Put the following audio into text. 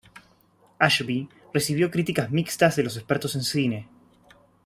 Ashby recibió críticas mixtas de los expertos de cine.